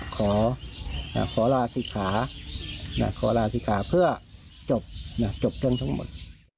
ก็ขอขอลาสิขาอ่ะขอลาสิขาเพื่อจบน่ะจบจังทั้งหมด